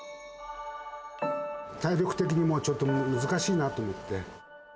体力的にもう、ちょっと難しいなと思って。